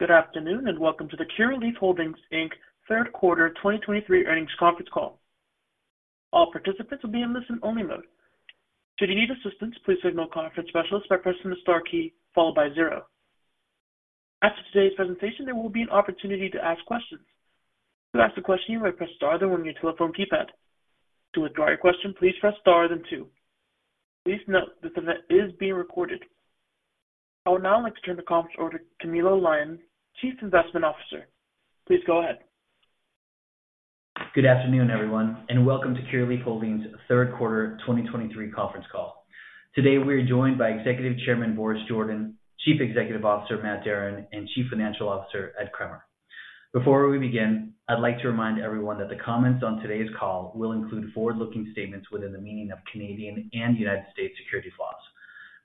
Good afternoon, and welcome to the Curaleaf Holdings, Inc. Third Quarter 2023 Earnings Conference Call. All participants will be in listen-only mode. Should you need assistance, please signal a conference specialist by pressing the star key followed by zero. After today's presentation, there will be an opportunity to ask questions. To ask a question, you may press star then on your telephone keypad. To withdraw your question, please press star then two. Please note this event is being recorded. I would now like to turn the conference over to Camilo Lyon, Chief Investment Officer. Please go ahead. Good afternoon, everyone, and welcome to Curaleaf Holdings Third Quarter 2023 Conference Call. Today, we are joined by Executive Chairman, Boris Jordan, Chief Executive Officer, Matt Darin, and Chief Financial Officer, Ed Kremer. Before we begin, I'd like to remind everyone that the comments on today's call will include forward-looking statements within the meaning of Canadian and United States securities laws,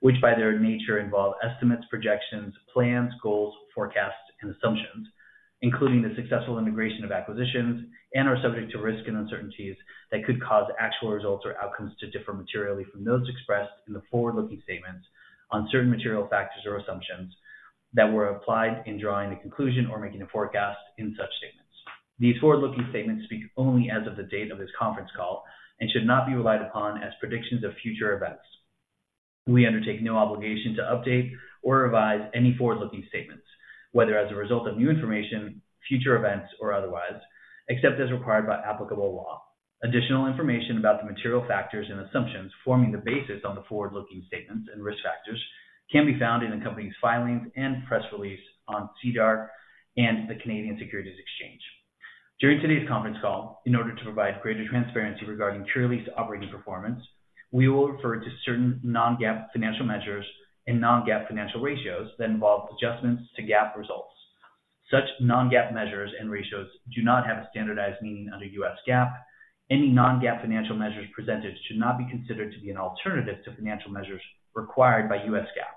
which by their nature involve estimates, projections, plans, goals, forecasts, and assumptions, including the successful integration of acquisitions and are subject to risks and uncertainties that could cause actual results or outcomes to differ materially from those expressed in the forward-looking statements on certain material factors or assumptions that were applied in drawing the conclusion or making a forecast in such statements. These forward-looking statements speak only as of the date of this conference call and should not be relied upon as predictions of future events. We undertake no obligation to update or revise any forward-looking statements, whether as a result of new information, future events, or otherwise, except as required by applicable law. Additional information about the material factors and assumptions forming the basis on the forward-looking statements and risk factors can be found in the company's filings and press release on SEDAR and the Canadian Securities Exchange. During today's conference call, in order to provide greater transparency regarding Curaleaf's operating performance, we will refer to certain non-GAAP financial measures and non-GAAP financial ratios that involve adjustments to GAAP results. Such non-GAAP measures and ratios do not have a standardized meaning under U.S. GAAP. Any non-GAAP financial measures presented should not be considered to be an alternative to financial measures required by U.S. GAAP,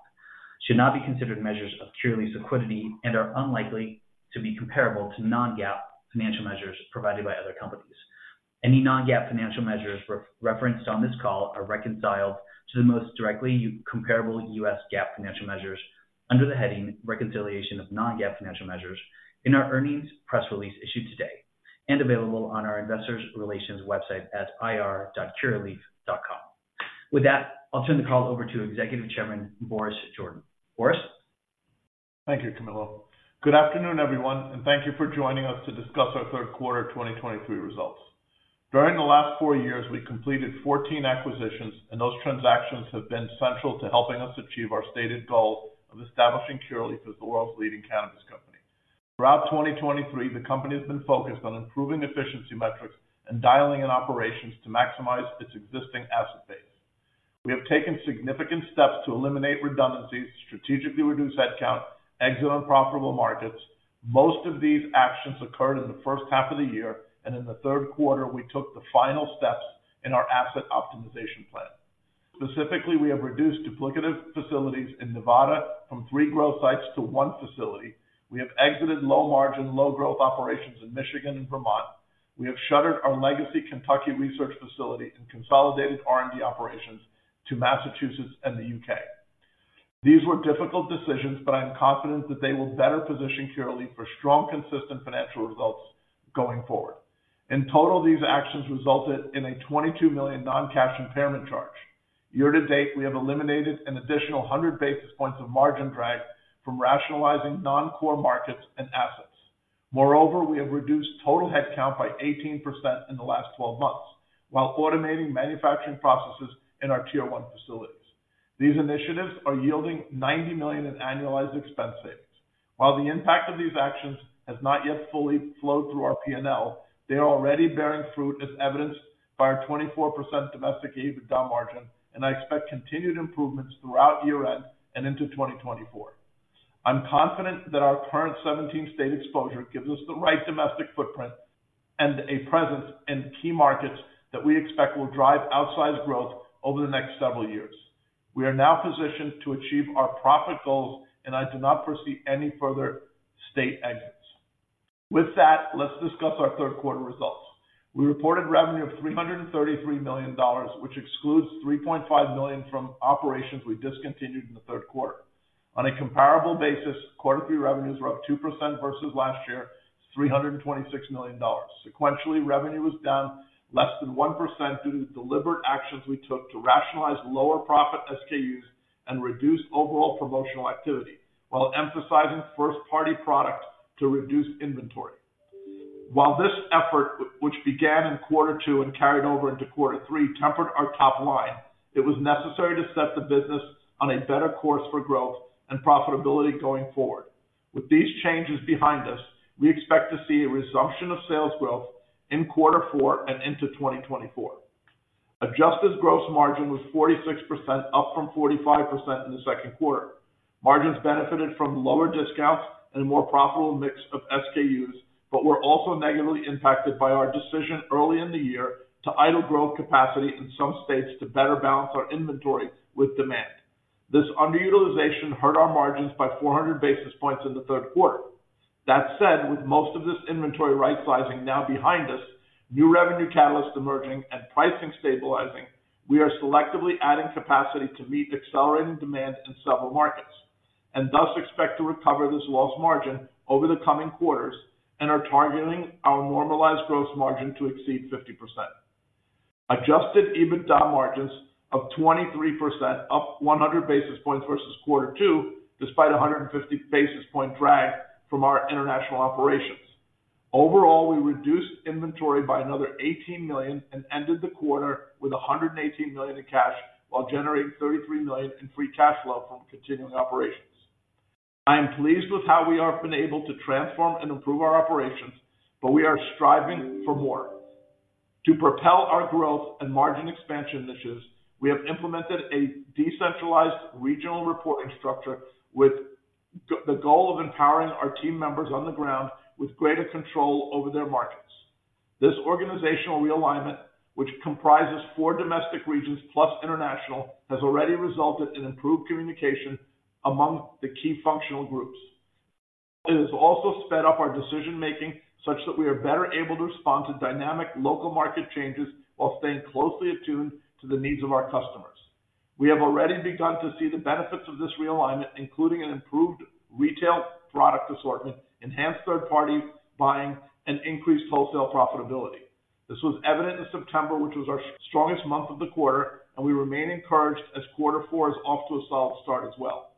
should not be considered measures of Curaleaf's liquidity and are unlikely to be comparable to non-GAAP financial measures provided by other companies. Any non-GAAP financial measures re-referenced on this call are reconciled to the most directly comparable U.S. GAAP financial measures under the heading Reconciliation of Non-GAAP Financial Measures in our earnings press release issued today and available on our investor relations website at ir.curaleaf.com. With that, I'll turn the call over to Executive Chairman, Boris Jordan. Boris? Thank you, Camilo. Good afternoon, everyone, and thank you for joining us to discuss our Third Quarter 2023 Results. During the last 4 years, we completed 14 acquisitions, and those transactions have been central to helping us achieve our stated goal of establishing Curaleaf as the world's leading cannabis company. Throughout 2023, the company has been focused on improving efficiency metrics and dialing in operations to maximize its existing asset base. We have taken significant steps to eliminate redundancies, strategically reduce headcount, exit unprofitable markets. Most of these actions occurred in the first half of the year, and in the third quarter, we took the final steps in our asset optimization plan. Specifically, we have reduced duplicative facilities in Nevada from 3 growth sites to 1 facility. We have exited low-margin, low-growth operations in Michigan and Vermont. We have shuttered our legacy Kentucky research facility and consolidated R&D operations to Massachusetts and the U.K.. These were difficult decisions, but I am confident that they will better position Curaleaf for strong, consistent financial results going forward. In total, these actions resulted in a $22 million non-cash impairment charge. Year to date, we have eliminated an additional 100 basis points of margin drag from rationalizing non-core markets and assets. Moreover, we have reduced total headcount by 18% in the last 12 months, while automating manufacturing processes in our Tier One facilities. These initiatives are yielding $90 million in annualized expense savings. While the impact of these actions has not yet fully flowed through our P&L, they are already bearing fruit, as evidenced by our 24% domestic EBITDA margin, and I expect continued improvements throughout year-end and into 2024. I'm confident that our current 17-state exposure gives us the right domestic footprint and a presence in key markets that we expect will drive outsized growth over the next several years. We are now positioned to achieve our profit goals, and I do not foresee any further state exits. With that, let's discuss our third quarter results. We reported revenue of $333 million, which excludes $3.5 million from operations we discontinued in the third quarter. On a comparable basis, quarter three revenues were up 2% versus last year, $326 million. Sequentially, revenue was down less than 1% due to deliberate actions we took to rationalize lower profit SKUs and reduce overall promotional activity, while emphasizing first-party product to reduce inventory. While this effort, which began in quarter two and carried over into quarter three, tempered our top line, it was necessary to set the business on a better course for growth and profitability going forward. With these changes behind us, we expect to see a resumption of sales growth in quarter four and into 2024. Adjusted gross margin was 46%, up from 45% in the second quarter. Margins benefited from lower discounts and a more profitable mix of SKUs, but were also negatively impacted by our decision early in the year to idle growth capacity in some states to better balance our inventory with demand. This underutilization hurt our margins by 400 basis points in the third quarter. That said, with most of this inventory rightsizing now behind us, new revenue catalysts emerging and pricing stabilizing, we are selectively adding capacity to meet accelerating demand in several markets. And thus expect to recover this loss margin over the coming quarters and are targeting our normalized gross margin to exceed 50%. Adjusted EBITDA margins of 23%, up 100 basis points versus quarter two, despite a 150 basis point drag from our international operations. Overall, we reduced inventory by another $18 million and ended the quarter with $118 million in cash, while generating $33 million in free cash flow from continuing operations. I am pleased with how we have been able to transform and improve our operations, but we are striving for more. To propel our growth and margin expansion initiatives, we have implemented a decentralized regional reporting structure with the goal of empowering our team members on the ground with greater control over their markets. This organizational realignment, which comprises four domestic regions plus international, has already resulted in improved communication among the key functional groups. It has also sped up our decision-making, such that we are better able to respond to dynamic local market changes while staying closely attuned to the needs of our customers. We have already begun to see the benefits of this realignment, including an improved retail product assortment, enhanced third-party buying, and increased wholesale profitability. This was evident in September, which was our strongest month of the quarter, and we remain encouraged as quarter four is off to a solid start as well.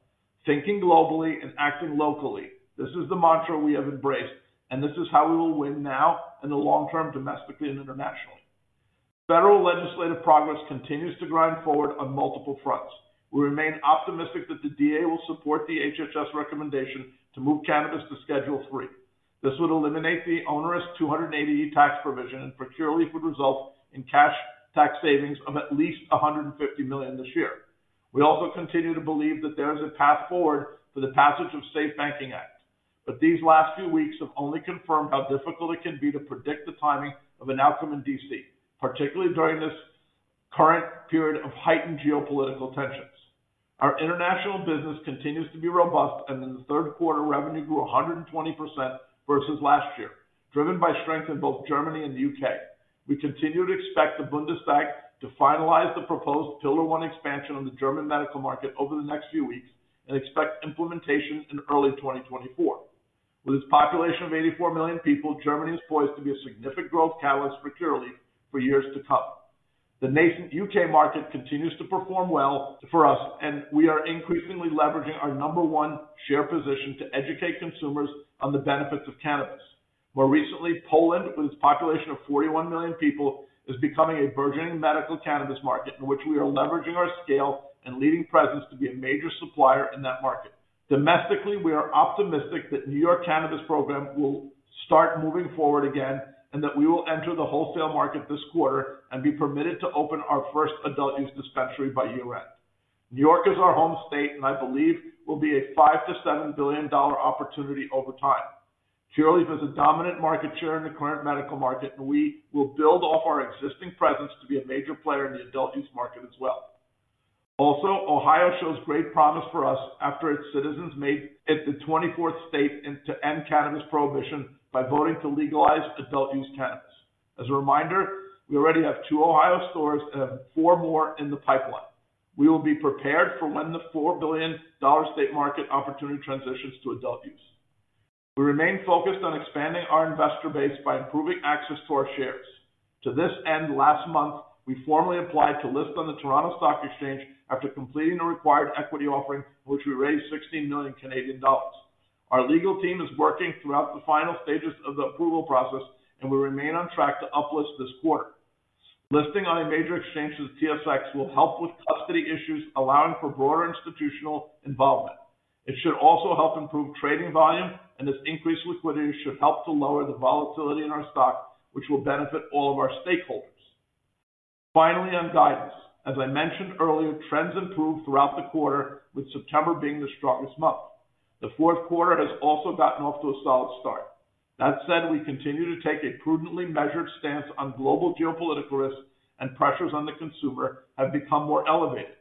Thinking globally and acting locally, this is the mantra we have embraced, and this is how we will win now in the long term, domestically and internationally. Federal legislative progress continues to grind forward on multiple fronts. We remain optimistic that the DEA will support the HHS recommendation to move cannabis to Schedule III. This would eliminate the onerous 280E tax provision, and for Curaleaf, would result in cash tax savings of at least $150 million this year. We also continue to believe that there is a path forward for the passage of SAFE Banking Act, but these last few weeks have only confirmed how difficult it can be to predict the timing of an outcome in D.C., particularly during this current period of heightened geopolitical tensions. Our international business continues to be robust, and in the third quarter, revenue grew 120% versus last year, driven by strength in both Germany and the U.K.. We continue to expect the Bundestag to finalize the proposed Pillar 1 expansion on the German medical market over the next few weeks and expect implementation in early 2024. With its population of 84 million people, Germany is poised to be a significant growth catalyst for Curaleaf for years to come. The nascent U.K. market continues to perform well for us, and we are increasingly leveraging our number one share position to educate consumers on the benefits of cannabis. More recently, Poland, with its population of 41 million people, is becoming a burgeoning medical cannabis market in which we are leveraging our scale and leading presence to be a major supplier in that market. Domestically, we are optimistic that New York cannabis program will start moving forward again, and that we will enter the wholesale market this quarter and be permitted to open our first adult-use dispensary by year-end. New York is our home state, and I believe will be a $5-$7 billion opportunity over time. Curaleaf is a dominant market share in the current medical market, and we will build off our existing presence to be a major player in the adult-use market as well. Also, Ohio shows great promise for us after its citizens made it the 24th state in to end cannabis prohibition by voting to legalize adult-use cannabis. As a reminder, we already have two Ohio stores and have four more in the pipeline. We will be prepared for when the $4 billion state market opportunity transitions to adult-use. We remain focused on expanding our investor base by improving access to our shares. To this end, last month, we formally applied to list on the Toronto Stock Exchange after completing a required equity offering, which we raised 16 million Canadian dollars. Our legal team is working throughout the final stages of the approval process, and we remain on track to uplist this quarter. Listing on a major exchange with TSX will help with custody issues, allowing for broader institutional involvement. It should also help improve trading volume, and this increased liquidity should help to lower the volatility in our stock, which will benefit all of our stakeholders. Finally, on guidance. As I mentioned earlier, trends improved throughout the quarter, with September being the strongest month. The fourth quarter has also gotten off to a solid start. That said, we continue to take a prudently measured stance on global geopolitical risks, and pressures on the consumer have become more elevated.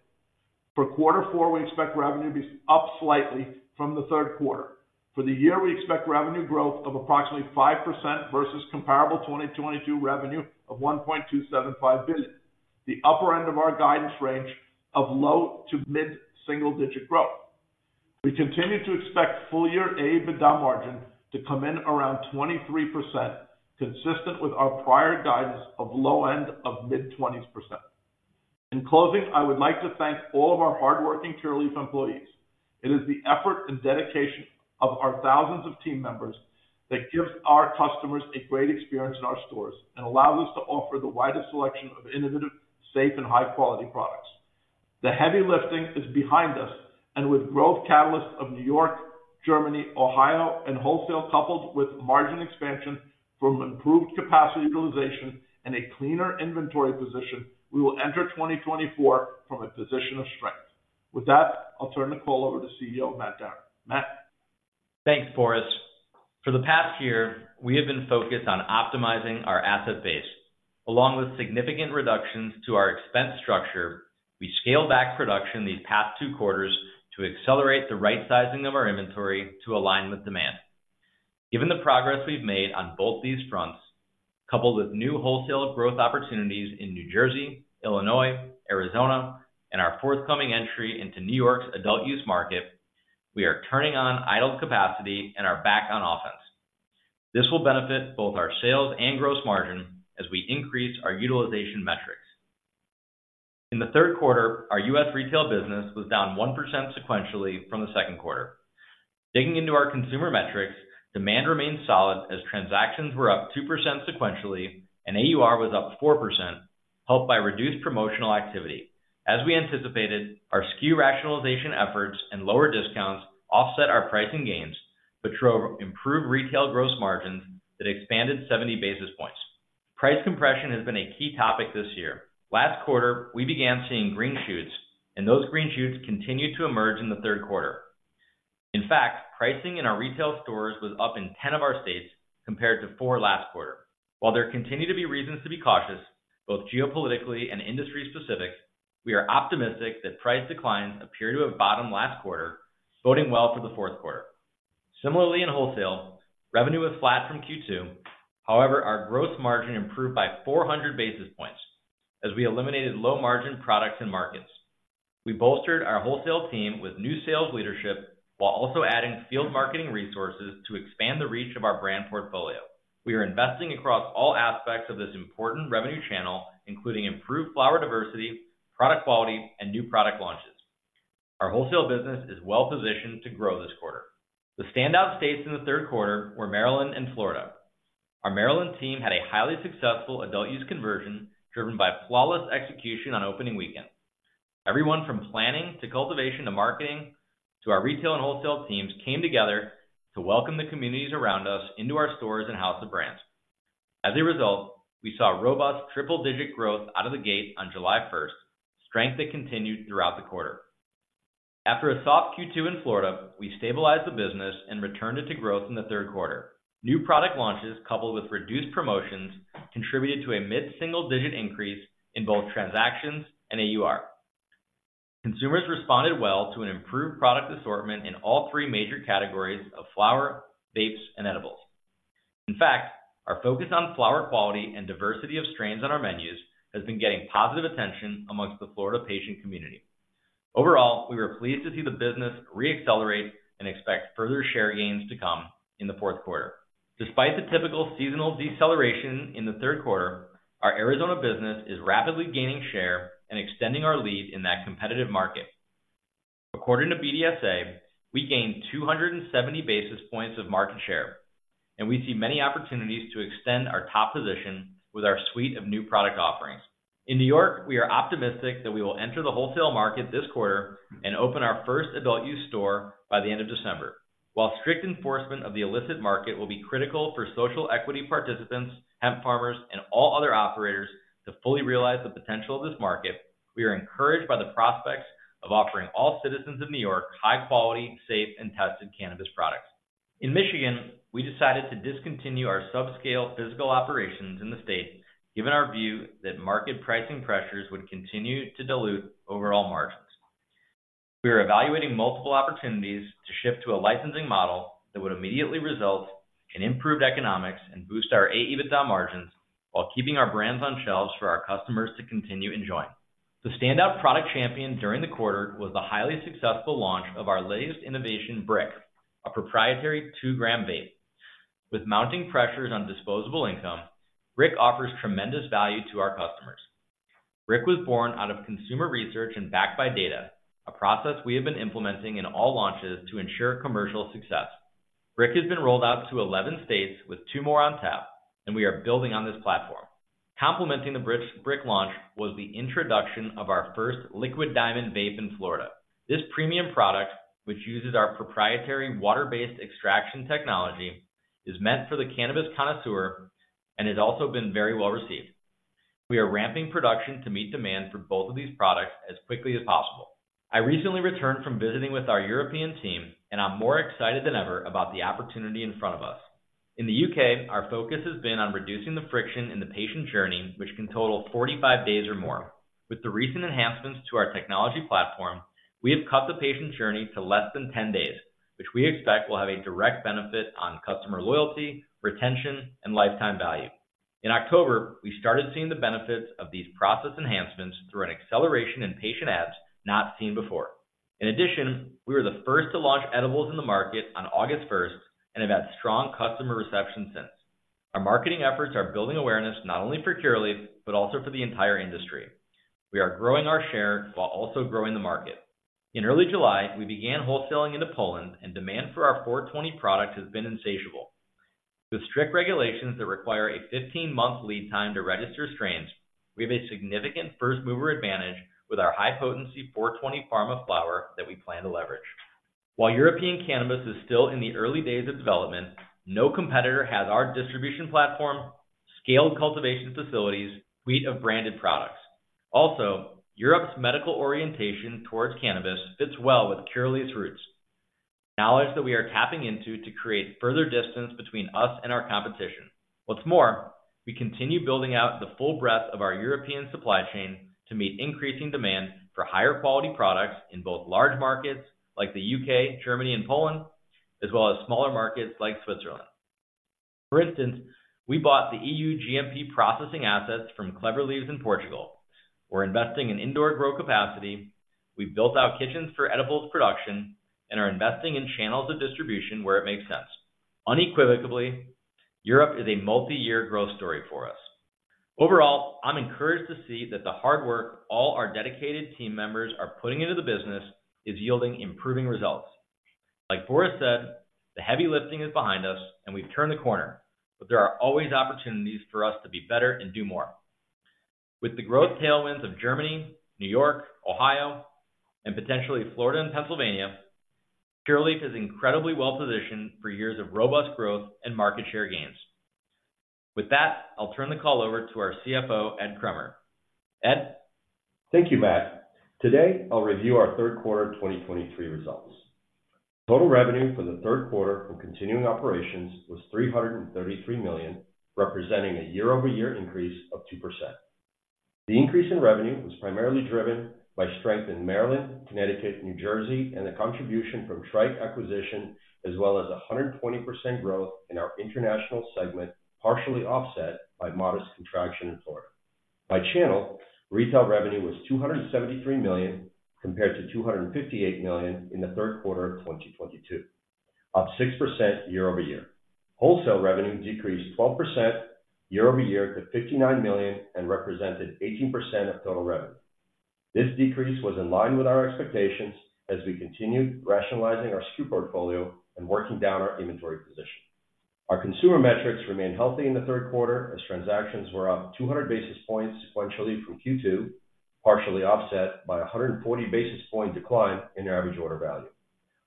For quarter four, we expect revenue to be up slightly from the third quarter. For the year, we expect revenue growth of approximately 5% versus comparable 2022 revenue of $1.275 billion, the upper end of our guidance range of low- to mid-single-digit growth. We continue to expect full year EBITDA margin to come in around 23%, consistent with our prior guidance of low end of mid-20%. In closing, I would like to thank all of our hardworking Curaleaf employees. It is the effort and dedication of our thousands of team members that gives our customers a great experience in our stores and allows us to offer the widest selection of innovative, safe, and high-quality products. The heavy lifting is behind us, and with growth catalysts of New York, Germany, Ohio, and wholesale, coupled with margin expansion from improved capacity utilization and a cleaner inventory position, we will enter 2024 from a position of strength. With that, I'll turn the call over to CEO, Matt Darin. Matt? Thanks, Boris. For the past year, we have been focused on optimizing our asset base. Along with significant reductions to our expense structure, we scaled back production these past 2 quarters to accelerate the right sizing of our inventory to align with demand. Given the progress we've made on both these fronts, coupled with new wholesale growth opportunities in New Jersey, Illinois, Arizona, and our forthcoming entry into New York's adult use market, we are turning on idle capacity and are back on offense. This will benefit both our sales and gross margin as we increase our utilization metrics. In the third quarter, our U.S. retail business was down 1% sequentially from the second quarter. Digging into our consumer metrics, demand remained solid as transactions were up 2% sequentially, and AUR was up 4%, helped by reduced promotional activity. As we anticipated, our SKU rationalization efforts and lower discounts offset our pricing gains, but drove improved retail gross margins that expanded 70 basis points. Price compression has been a key topic this year. Last quarter, we began seeing green shoots, and those green shoots continued to emerge in the third quarter. In fact, pricing in our retail stores was up in 10 of our states, compared to four last quarter. While there continue to be reasons to be cautious, both geopolitically and industry-specific, we are optimistic that price declines appear to have bottomed last quarter, boding well for the fourth quarter. Similarly, in wholesale, revenue was flat from Q2. However, our gross margin improved by 400 basis points as we eliminated low-margin products and markets. We bolstered our wholesale team with new sales leadership, while also adding field marketing resources to expand the reach of our brand portfolio. We are investing across all aspects of this important revenue channel, including improved flower diversity, product quality, and new product launches. Our wholesale business is well positioned to grow this quarter. The standout states in the third quarter were Maryland and Florida. Our Maryland team had a highly successful adult use conversion, driven by flawless execution on opening weekend. Everyone from planning, to cultivation, to marketing, to our retail and wholesale teams came together to welcome the communities around us into our stores and house of brands. As a result, we saw robust triple-digit growth out of the gate on July 1st, strength that continued throughout the quarter. After a soft Q2 in Florida, we stabilized the business and returned it to growth in the third quarter. New product launches, coupled with reduced promotions, contributed to a mid-single-digit increase in both transactions and AUR. Consumers responded well to an improved product assortment in all three major categories of flower, vapes, and edibles. In fact, our focus on flower quality and diversity of strains on our menus has been getting positive attention among the Florida patient community. Overall, we were pleased to see the business re-accelerate and expect further share gains to come in the fourth quarter. Despite the typical seasonal deceleration in the third quarter, our Arizona business is rapidly gaining share and extending our lead in that competitive market. According to BDSA, we gained 270 basis points of market share, and we see many opportunities to extend our top position with our suite of new product offerings. In New York, we are optimistic that we will enter the wholesale market this quarter and open our first adult use store by the end of December. While strict enforcement of the illicit market will be critical for social equity participants, hemp farmers, and all other operators to fully realize the potential of this market, we are encouraged by the prospects of offering all citizens of New York high-quality, safe, and tested cannabis products. In Michigan, we decided to discontinue our subscale physical operations in the state, given our view that market pricing pressures would continue to dilute overall margins. We are evaluating multiple opportunities to shift to a licensing model that would immediately result in improved economics and boost our EBITDA margins while keeping our brands on shelves for our customers to continue enjoying. The standout product champion during the quarter was the highly successful launch of our latest innovation, Briq, a proprietary two-gram vape. With mounting pressures on disposable income, Briq offers tremendous value to our customers. Briq was born out of consumer research and backed by data, a process we have been implementing in all launches to ensure commercial success. Briq has been rolled out to 11 states, with 2 more on tap, and we are building on this platform. Complementing the Briq launch was the introduction of our first Liquid Diamond vape in Florida. This premium product, which uses our proprietary water-based extraction technology, is meant for the cannabis connoisseur and has also been very well received. We are ramping production to meet demand for both of these products as quickly as possible. I recently returned from visiting with our European team, and I'm more excited than ever about the opportunity in front of us. In the U.K., our focus has been on reducing the friction in the patient journey, which can total 45 days or more. With the recent enhancements to our technology platform, we have cut the patient journey to less than 10 days, which we expect will have a direct benefit on customer loyalty, retention, and lifetime value. In October, we started seeing the benefits of these process enhancements through an acceleration in patient adds not seen before. In addition, we were the first to launch edibles in the market on August 1, and have had strong customer reception since. Our marketing efforts are building awareness not only for Curaleaf, but also for the entire industry. We are growing our share while also growing the market. In early July, we began wholesaling into Poland, and demand for our Four 20 product has been insatiable. With strict regulations that require a 15-month lead time to register strains, we have a significant first-mover advantage with our high-potency Four 20 Pharma flower that we plan to leverage. While European cannabis is still in the early days of development, no competitor has our distribution platform, scaled cultivation facilities, suite of branded products. Also, Europe's medical orientation towards cannabis fits well with Curaleaf's roots, knowledge that we are tapping into to create further distance between us and our competition. What's more, we continue building out the full breadth of our European supply chain to meet increasing demand for higher quality products in both large markets, like the U.K., Germany, and Poland, as well as smaller markets like Switzerland. For instance, we bought the EU GMP processing assets from Clever Leaves in Portugal. We're investing in indoor grow capacity. We've built out kitchens for edibles production and are investing in channels of distribution where it makes sense. Unequivocally, Europe is a multi-year growth story for us. Overall, I'm encouraged to see that the hard work all our dedicated team members are putting into the business is yielding improving results. Like Boris said, the heavy lifting is behind us, and we've turned the corner, but there are always opportunities for us to be better and do more. With the growth tailwinds of Germany, New York, Ohio, and potentially Florida and Pennsylvania, Curaleaf is incredibly well positioned for years of robust growth and market share gains. With that, I'll turn the call over to our CFO, Ed Kremer. Ed? Thank you, Matt. Today, I'll review our Third Quarter of 2023 Results. Total revenue for the third quarter from continuing operations was $333 million, representing a year-over-year increase of 2%. The increase in revenue was primarily driven by strength in Maryland, Connecticut, New Jersey, and the contribution from Tryke acquisition, as well as 120% growth in our international segment, partially offset by modest contraction in Florida. By channel, retail revenue was $273 million, compared to $258 million in the third quarter of 2022, up 6% year-over-year. Wholesale revenue decreased 12% year-over-year to $59 million, and represented 18% of total revenue. This decrease was in line with our expectations as we continued rationalizing our SKU portfolio and working down our inventory position. Our consumer metrics remained healthy in the third quarter as transactions were up 200 basis points sequentially from Q2, partially offset by a 140 basis point decline in average order value.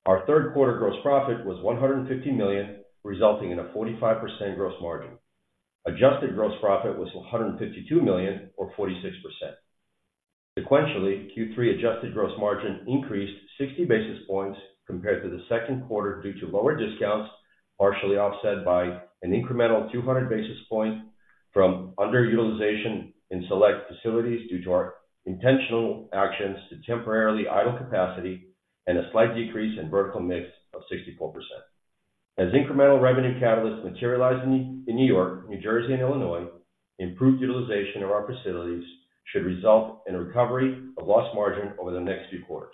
Our third quarter gross profit was $150 million, resulting in a 45% gross margin. Adjusted gross profit was $152 million, or 46%. Sequentially, Q3 adjusted gross margin increased 60 basis points compared to the second quarter due to lower discounts, partially offset by an incremental 200 basis points from underutilization in select facilities due to our intentional actions to temporarily idle capacity and a slight decrease in vertical mix of 64%. As incremental revenue catalysts materialize in New York, New Jersey, and Illinois, improved utilization of our facilities should result in a recovery of lost margin over the next few quarters.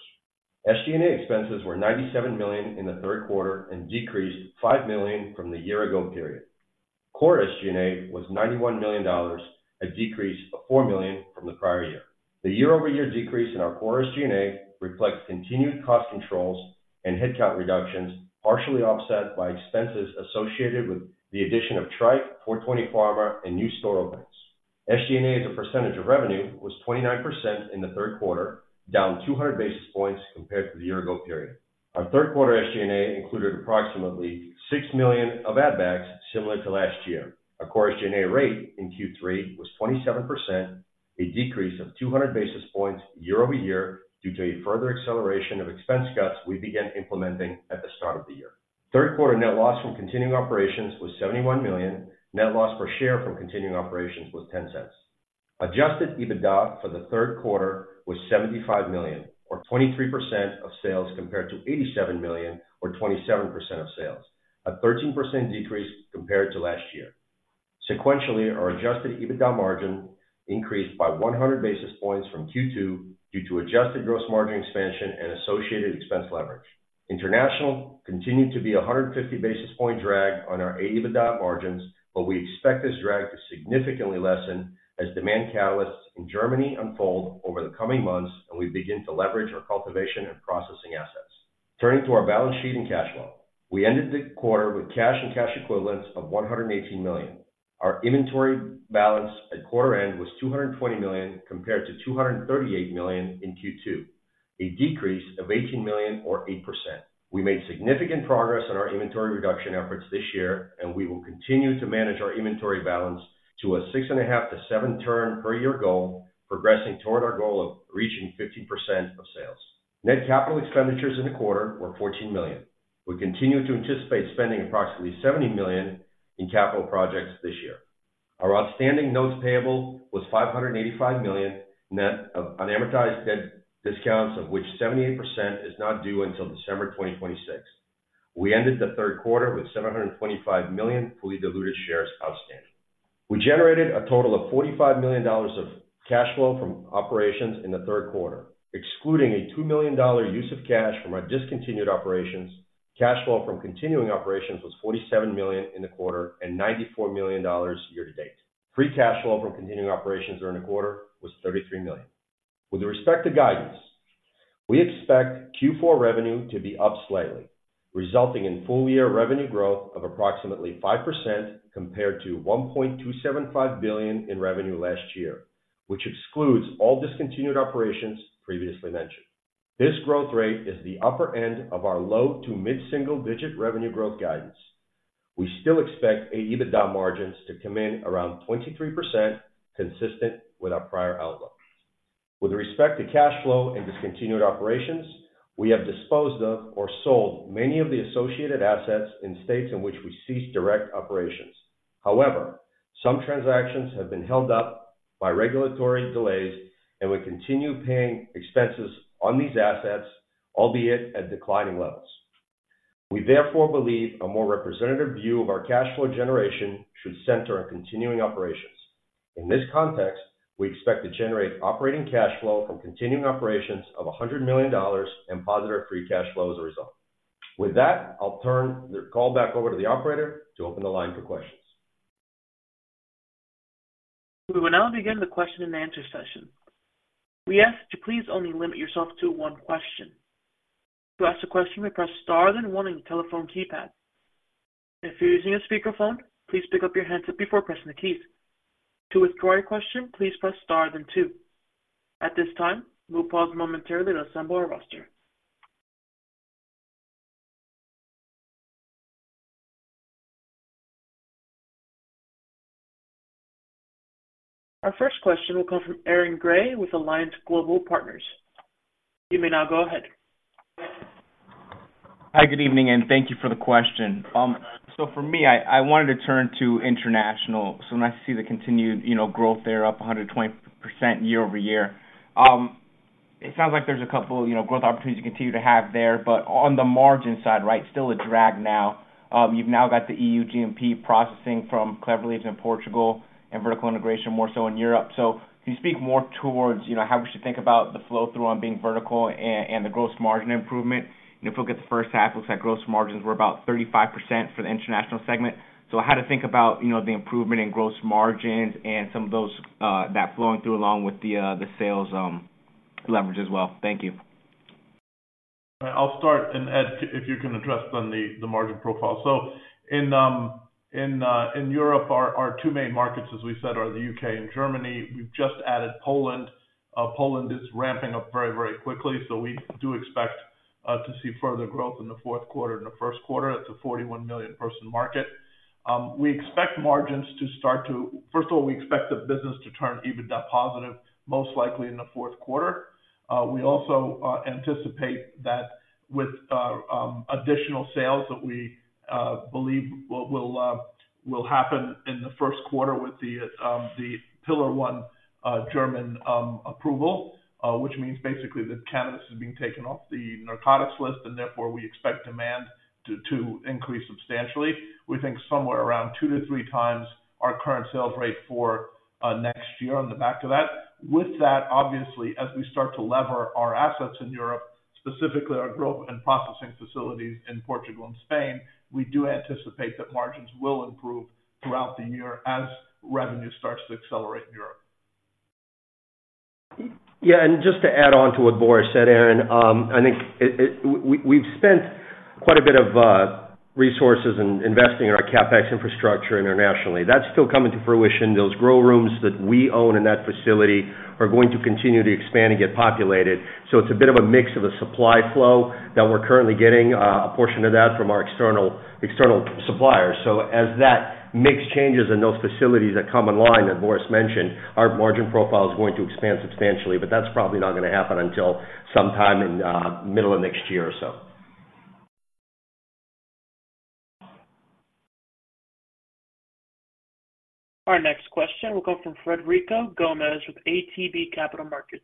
SG&A expenses were $97 million in the third quarter and decreased $5 million from the year ago period. Core SG&A was $91 million, a decrease of $4 million from the prior year. The year-over-year decrease in our core SG&A reflects continued cost controls and headcount reductions, partially offset by expenses associated with the addition of Tryke, Four 20 Pharma, and new store openings. SG&A, as a percentage of revenue, was 29% in the third quarter, down 200 basis points compared to the year ago period. Our third quarter SG&A included approximately $6 million of ad backs, similar to last year. Our core SG&A rate in Q3 was 27%, a decrease of 200 basis points year-over-year, due to a further acceleration of expense cuts we began implementing at the start of the year. Third quarter net loss from continuing operations was $71 million. Net loss per share from continuing operations was $0.10. Adjusted EBITDA for the third quarter was $75 million, or 23% of sales, compared to $87 million or 27% of sales, a 13% decrease compared to last year. Sequentially, our adjusted EBITDA margin increased by 100 basis points from Q2 due to adjusted gross margin expansion and associated expense leverage. International continued to be a 150 basis point drag on our EBITDA margins, but we expect this drag to significantly lessen as demand catalysts in Germany unfold over the coming months, and we begin to leverage our cultivation and processing assets. Turning to our balance sheet and cash flow. We ended the quarter with cash and cash equivalents of $118 million. Our inventory balance at quarter end was $220 million, compared to $238 million in Q2, a decrease of $18 million or 8%. We made significant progress on our inventory reduction efforts this year, and we will continue to manage our inventory balance to a 6.5-7 turn per year goal, progressing toward our goal of reaching 50% of sales. Net capital expenditures in the quarter were $14 million. We continue to anticipate spending approximately $70 million in capital projects this year. Our outstanding notes payable was $585 million, net of unamortized debt discounts, of which 78% is not due until December 2026. We ended the third quarter with 725 million fully diluted shares outstanding. We generated a total of $45 million of cash flow from operations in the third quarter, excluding a $2 million use of cash from our discontinued operations. Cash flow from continuing operations was $47 million in the quarter, and $94 million year to date. Free cash flow from continuing operations during the quarter was $33 million. With respect to guidance, we expect Q4 revenue to be up slightly, resulting in full-year revenue growth of approximately 5% compared to $1.275 billion in revenue last year, which excludes all discontinued operations previously mentioned. This growth rate is the upper end of our low to mid-single digit revenue growth guidance. We still expect our EBITDA margins to come in around 23%, consistent with our prior outlook. With respect to cash flow and discontinued operations, we have disposed of or sold many of the associated assets in states in which we cease direct operations. However, some transactions have been held up by regulatory delays, and we continue paying expenses on these assets, albeit at declining levels. We therefore believe a more representative view of our cash flow generation should center on continuing operations. In this context, we expect to generate operating cash flow from continuing operations of $100 million and positive free cash flow as a result. With that, I'll turn the call back over to the operator to open the line for questions. We will now begin the question and answer session. We ask to please only limit yourself to one question. To ask a question, press star, then one on your telephone keypad. If you're using a speakerphone, please pick up your handset before pressing the keys. To withdraw your question, please press star then two. At this time, we'll pause momentarily to assemble our roster. Our first question will come from Aaron Grey with Alliance Global Partners. You may now go ahead. Hi, good evening, and thank you for the question. So for me, I wanted to turn to international. So nice to see the continued, you know, growth there, up 100% year-over-year. It sounds like there's a couple, you know, growth opportunities you continue to have there, but on the margin side, right, still a drag now. You've now got the EU GMP processing from Clever Leaves in Portugal and vertical integration, more so in Europe. So can you speak more towards, you know, how we should think about the flow-through on being vertical and the gross margin improvement? And if we look at the first half, looks like gross margins were about 35% for the international segment. How to think about, you know, the improvement in gross margins and some of those that flowing through, along with the the sales leverage as well? Thank you. I'll start, and Ed, if you can address then the margin profile. So in Europe, our two main markets, as we said, are the U.K. and Germany. We've just added Poland. Poland is ramping up very, very quickly, so we do expect to see further growth in the fourth quarter and the first quarter. It's a 41 million person market. We expect margins to start to, first of all, we expect the business to turn EBITDA positive, most likely in the fourth quarter. We also anticipate that with additional sales that we believe will happen in the first quarter with the Pillar 1 German approval, which means basically that cannabis is being taken off the narcotics list, and therefore, we expect demand to increase substantially. We think somewhere around 2-3 times our current sales rate for next year on the back of that. With that, obviously, as we start to lever our assets in Europe, specifically our growth and processing facilities in Portugal and Spain, we do anticipate that margins will improve throughout the year as revenue starts to accelerate in Europe. Yeah, and just to add on to what Boris said, Aaron, I think we've spent quite a bit of resources in investing in our CapEx infrastructure internationally. That's still coming to fruition. Those grow rooms that we own in that facility are going to continue to expand and get populated. So it's a bit of a mix of a supply flow that we're currently getting, a portion of that from our external suppliers. So as that mix changes and those facilities that come online, as Boris mentioned, our margin profile is going to expand substantially, but that's probably not going to happen until sometime in middle of next year or so. Our next question will come from Frederico Gomes with ATB Capital Markets.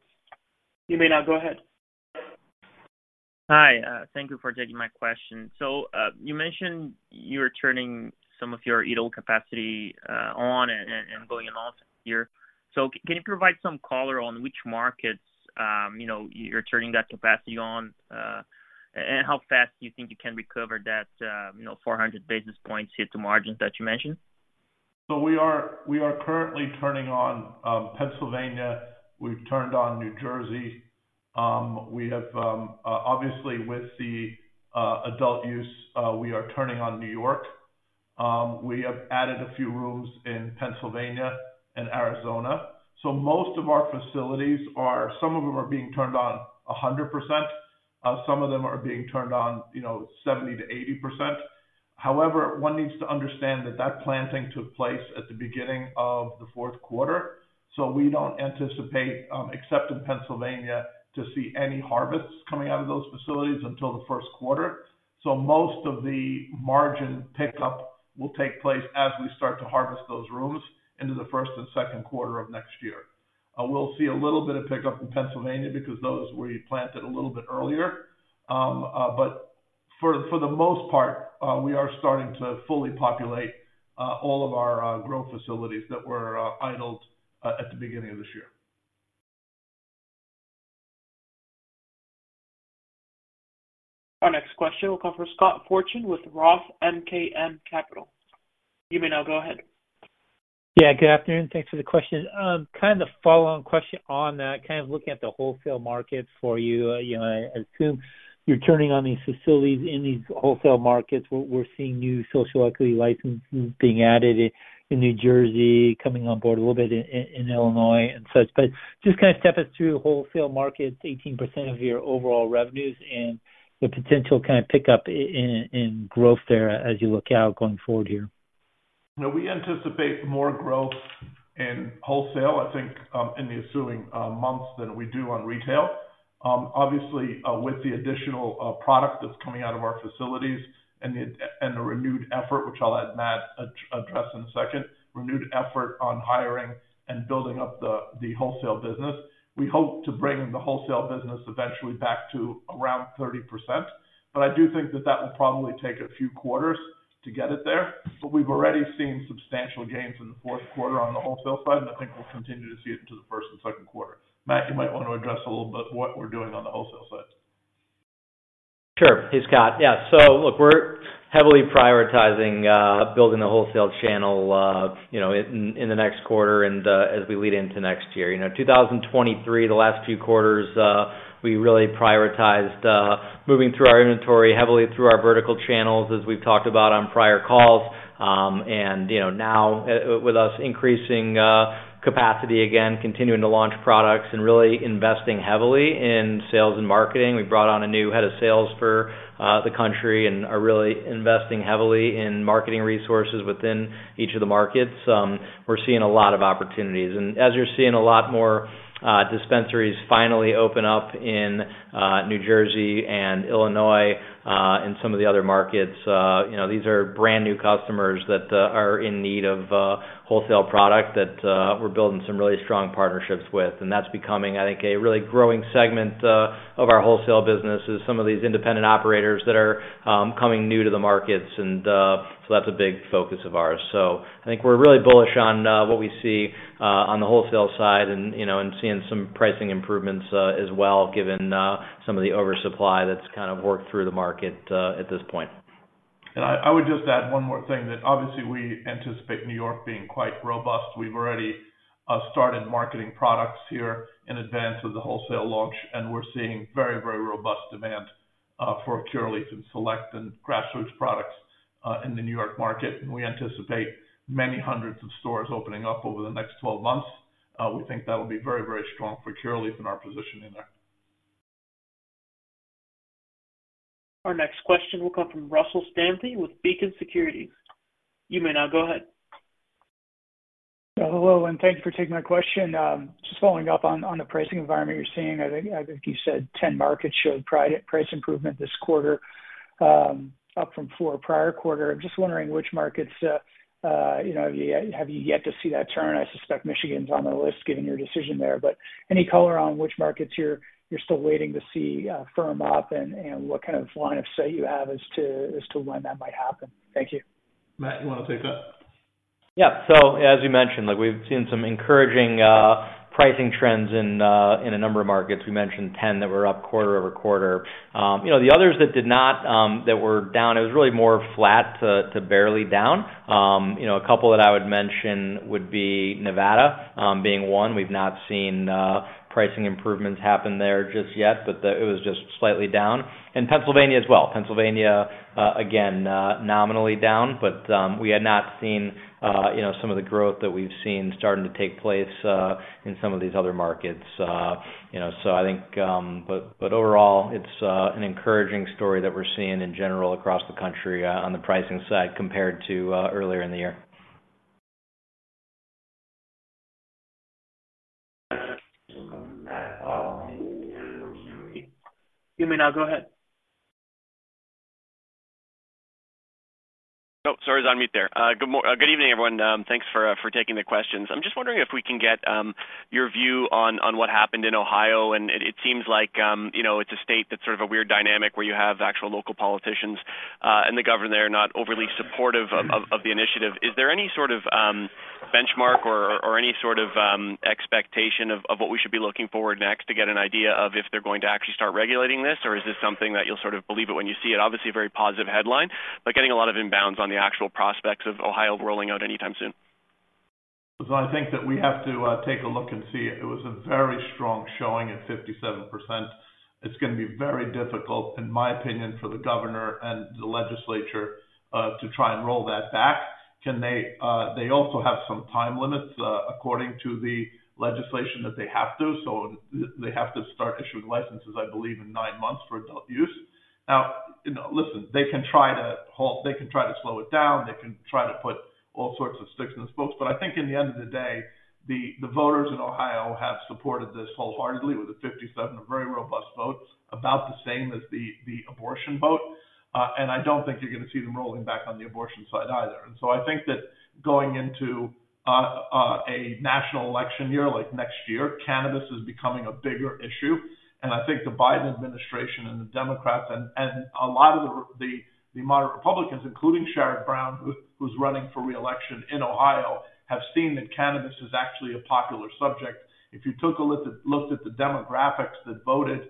You may now go ahead. Hi, thank you for taking my question. So, you mentioned you're turning some of your idle capacity on and going on here. So can you provide some color on which markets, you know, you're turning that capacity on, and how fast do you think you can recover that, you know, 400 basis points EBITDA margins that you mentioned? So we are currently turning on Pennsylvania. We've turned on New Jersey. We have obviously, with the adult use, we are turning on New York. We have added a few rooms in Pennsylvania and Arizona. So most of our facilities are, some of them are being turned on 100%, some of them are being turned on, you know, 70%-80%. However, one needs to understand that that planting took place at the beginning of the fourth quarter, so we don't anticipate, except in Pennsylvania, to see any harvests coming out of those facilities until the first quarter. So most of the margin pickup will take place as we start to harvest those rooms into the first and second quarter of next year. We'll see a little bit of pickup in Pennsylvania because those we planted a little bit earlier. But for the most part, we are starting to fully populate all of our growth facilities that were idled at the beginning of this year. Our next question will come from Scott Fortune with Roth MKM Capital. You may now go ahead. Yeah, good afternoon. Thanks for the question. Kind of a follow-on question on that, kind of looking at the wholesale markets for you. You know, I assume you're turning on these facilities in these wholesale markets. We're seeing new social equity licenses being added in New Jersey, coming on board a little bit in Illinois and such. But just kind of step us through wholesale markets, 18% of your overall revenues and the potential kind of pickup in growth there as you look out going forward here. No, we anticipate more growth in wholesale, I think, in the ensuing months than we do on retail. Obviously, with the additional product that's coming out of our facilities and the renewed effort, which I'll let Matt address in a second, on hiring and building up the wholesale business. We hope to bring the wholesale business eventually back to around 30%, but I do think that that will probably take a few quarters to get it there. But we've already seen substantial gains in the fourth quarter on the wholesale side, and I think we'll continue to see it into the first and second quarter. Matt, you might want to address a little bit what we're doing on the wholesale side. Sure. Hey, Scott. Yeah, so look, we're heavily prioritizing building the wholesale channel, you know, in the next quarter and as we lead into next year. You know, 2023, the last few quarters, we really prioritized moving through our inventory heavily through our vertical channels, as we've talked about on prior calls. And, you know, now, with us increasing capacity again, continuing to launch products and really investing heavily in sales and marketing, we brought on a new head of sales for the country and are really investing heavily in marketing resources within each of the markets. We're seeing a lot of opportunities. As you're seeing a lot more dispensaries finally open up in New Jersey and Illinois, and some of the other markets, you know, these are brand new customers that are in need of wholesale product that we're building some really strong partnerships with. And that's becoming, I think, a really growing segment of our wholesale business is some of these independent operators that are coming new to the markets, and so that's a big focus of ours. So I think we're really bullish on what we see on the wholesale side and, you know, and seeing some pricing improvements as well, given some of the oversupply that's kind of worked through the market at this point. And I, I would just add one more thing, that obviously we anticipate New York being quite robust. We've already started marketing products here in advance of the wholesale launch, and we're seeing very, very robust demand for Curaleaf and Select and Grassroots products in the New York market. And we anticipate many hundreds of stores opening up over the next 12 months. We think that will be very, very strong for Curaleaf in our position in there. Our next question will come from Russell Stanley with Beacon Securities. You may now go ahead. Hello, and thank you for taking my question. Just following up on the pricing environment you're seeing. I think you said 10 markets showed price improvement this quarter, up from 4 prior quarter. I'm just wondering which markets, you know, have you yet to see that turn? I suspect Michigan's on the list, given your decision there, but any color on which markets you're still waiting to see firm up and what kind of line of sight you have as to when that might happen? Thank you. Matt, you want to take that? Yeah. So as you mentioned, we've seen some encouraging pricing trends in a number of markets. We mentioned 10 that were up quarter-over-quarter. You know, the others that did not, that were down, it was really more flat to barely down. You know, a couple that I would mention would be Nevada, being one. We've not seen pricing improvements happen there just yet, but it was just slightly down. And Pennsylvania as well. Pennsylvania, again, nominally down, but we had not seen, you know, some of the growth that we've seen starting to take place in some of these other markets. You know, so I think, but, but overall, it's an encouraging story that we're seeing in general across the country, on the pricing side, compared to earlier in the year. You may now go ahead. Oh, sorry, I was on mute there. Good evening, everyone. Thanks for taking the questions. I'm just wondering if we can get your view on what happened in Ohio, and it seems like, you know, it's a state that's sort of a weird dynamic, where you have actual local politicians and the governor there, not overly supportive of the initiative. Is there any sort of benchmark or any sort of expectation of what we should be looking forward next to get an idea of if they're going to actually start regulating this? Or is this something that you'll sort of believe it when you see it? Obviously, a very positive headline, but getting a lot of inbounds on the actual prospects of Ohio rolling out anytime soon. So I think that we have to take a look and see. It was a very strong showing at 57%. It's going to be very difficult, in my opinion, for the governor and the legislature to try and roll that back. Can they? They also have some time limits according to the legislation that they have to, so they have to start issuing licenses, I believe, in nine months for adult use. Now, you know, listen, they can try to halt, they can try to slow it down, they can try to put all sorts of sticks and spokes, but I think in the end of the day, the voters in Ohio have supported this wholeheartedly with a 57%, a very robust vote, about the same as the abortion vote. And I don't think you're going to see them rolling back on the abortion side either. And so I think that going into a national election year, like next year, cannabis is becoming a bigger issue. And I think the Biden administration and the Democrats and a lot of the moderate Republicans, including Sherrod Brown, who's running for reelection in Ohio, have seen that cannabis is actually a popular subject. If you took a look at the demographics that voted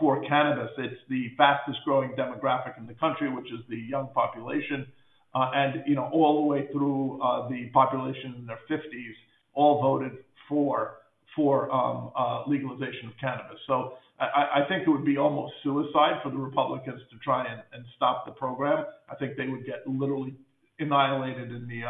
for cannabis, it's the fastest growing demographic in the country, which is the young population, and you know, all the way through the population in their fifties, all voted for legalization of cannabis. So I think it would be almost suicide for the Republicans to try and stop the program. I think they would get literally annihilated in the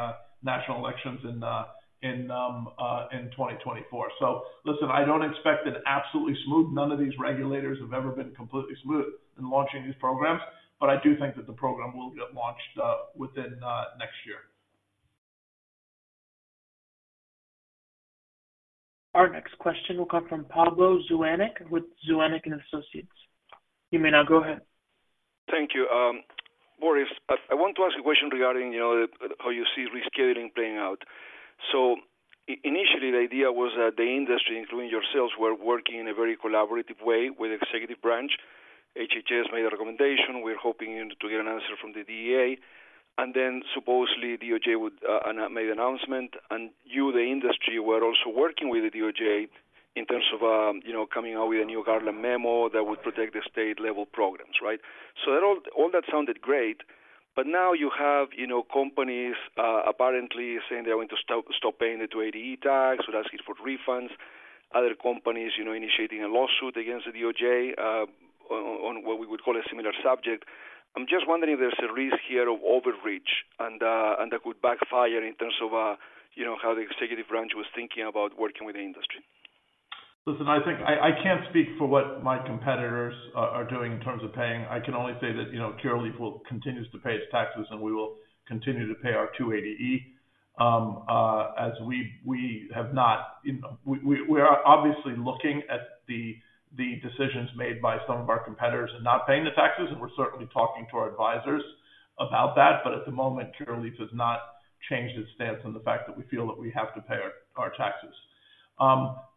national elections in 2024. So listen, I don't expect it absolutely smooth. None of these regulators have ever been completely smooth in launching these programs, but I do think that the program will get launched within next year. Our next question will come from Pablo Zuanic with Zuanic & Associates. You may now go ahead. Thank you. Boris, I want to ask a question regarding, you know, how you see rescheduling playing out. So initially, the idea was that the industry, including yourselves, were working in a very collaborative way with the executive branch. HHS made a recommendation. We're hoping to get an answer from the DEA, and then supposedly, DOJ would make an announcement, and you, the industry, were also working with the DOJ in terms of, you know, coming out with a new Garland memo that would protect the state-level programs, right? So that all that sounded great, but now you have, you know, companies apparently saying they're going to stop paying the 280E tax. We're asking for refunds. Other companies, you know, initiating a lawsuit against the DOJ on what we would call a similar subject. I'm just wondering if there's a risk here of overreach and that would backfire in terms of, you know, how the executive branch was thinking about working with the industry. Listen, I think I can't speak for what my competitors are doing in terms of paying. I can only say that, you know, Curaleaf will continues to pay its taxes, and we will continue to pay our 280E, as we are obviously looking at the decisions made by some of our competitors in not paying the taxes, and we're certainly talking to our advisors about that. But at the moment, Curaleaf has not changed its stance on the fact that we feel that we have to pay our taxes.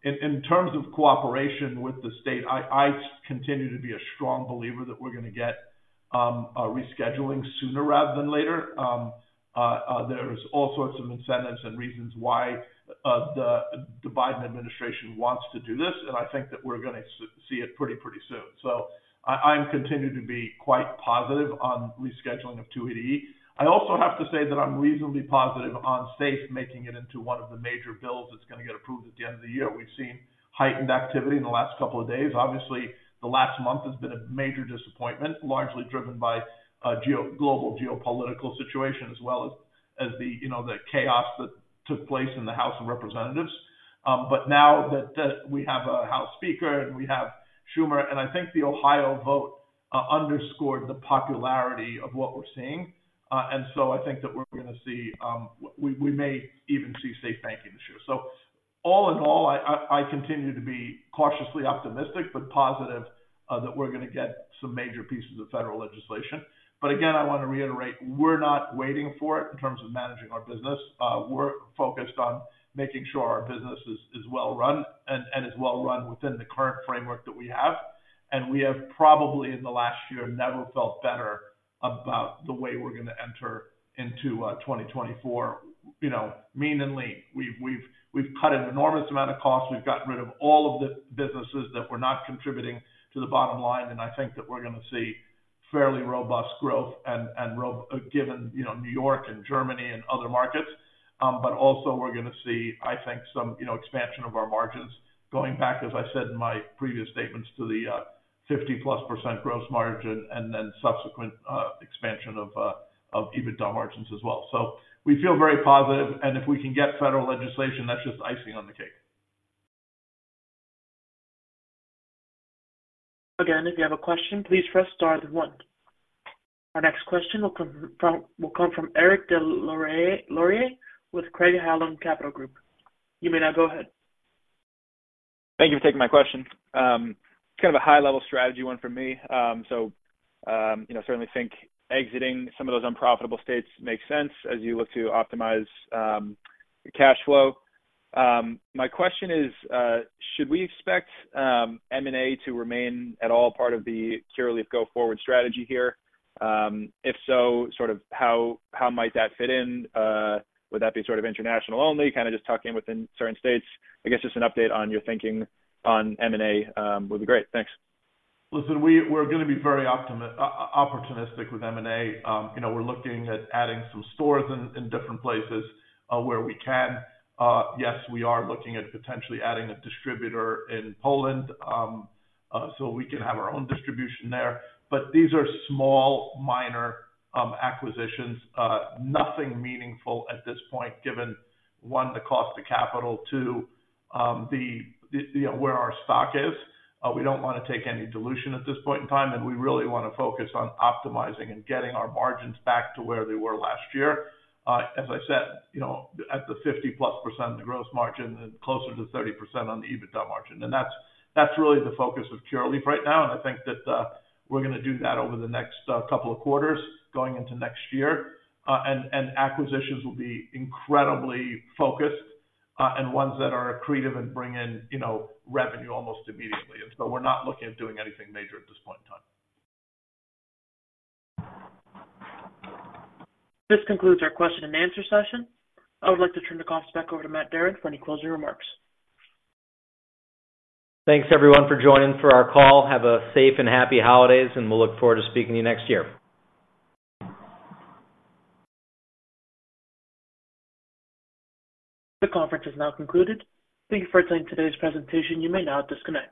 In terms of cooperation with the state, I continue to be a strong believer that we're going to get a rescheduling sooner rather than later. There's all sorts of incentives and reasons why the Biden administration wants to do this, and I think that we're going to see it pretty, pretty soon. So I'm continuing to be quite positive on rescheduling of 280E. I also have to say that I'm reasonably positive on SAFE making it into one of the major bills that's going to get approved at the end of the year. We've seen heightened activity in the last couple of days. Obviously, the last month has been a major disappointment, largely driven by global geopolitical situation, as well as the, you know, the chaos that took place in the House of Representatives. But now that we have a House speaker and we have Schumer, and I think the Ohio vote underscored the popularity of what we're seeing. And so I think that we're going to see, we may even see SAFE Banking this year. So all in all, I continue to be cautiously optimistic, but positive, that we're going to get some major pieces of federal legislation. But again, I want to reiterate, we're not waiting for it in terms of managing our business. We're focused on making sure our business is well run and is well run within the current framework that we have. And we have probably, in the last year, never felt better about the way we're going to enter into 2024. You know, mean and lean. We've cut an enormous amount of costs. We've gotten rid of all of the businesses that were not contributing to the bottom line, and I think that we're going to see fairly robust growth given, you know, New York and Germany and other markets. But also we're going to see, I think, some, you know, expansion of our margins going back, as I said in my previous statements, to the 50%+ gross margin and then subsequent expansion of EBITDA margins as well. So we feel very positive, and if we can get federal legislation, that's just icing on the cake. Again, if you have a question, please press star then one. Our next question will come from Eric Des Lauriers with Craig-Hallum Capital Group. You may now go ahead. Thank you for taking my question. Kind of a high-level strategy, one for me. You know, certainly think exiting some of those unprofitable states makes sense as you look to optimize your cash flow. My question is, should we expect M&A to remain at all part of the Curaleaf go-forward strategy here? If so, sort of how, how might that fit in? Would that be sort of international only, kind of just talking within certain states? I guess just an update on your thinking on M&A would be great. Thanks. Listen, we're going to be very opportunistic with M&A. You know, we're looking at adding some stores in different places where we can. Yes, we are looking at potentially adding a distributor in Poland so we can have our own distribution there. But these are small, minor acquisitions. Nothing meaningful at this point, given one, the cost of capital. Two, you know, where our stock is. We don't want to take any dilution at this point in time, and we really want to focus on optimizing and getting our margins back to where they were last year. As I said, you know, at the 50%+, the gross margin and closer to 30% on the EBITDA margin. That's, that's really the focus of Curaleaf right now, and I think that, we're going to do that over the next, couple of quarters going into next year. And acquisitions will be incredibly focused, and ones that are accretive and bring in, you know, revenue almost immediately. And so we're not looking at doing anything major at this point in time. This concludes our question and answer session. I would like to turn the call back over to Matt Darin for any closing remarks. Thanks, everyone, for joining for our call. Have a safe and happy holidays, and we'll look forward to speaking to you next year. The conference is now concluded. Thank you for attending today's presentation. You may now disconnect.